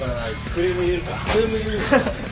クレーム入れるよ。